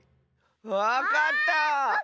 わかった！